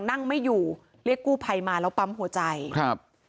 นั่งไม่อยู่เรียกกู้ภัยมาแล้วปั๊มหัวใจครับ